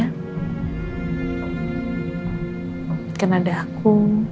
mungkin ada aku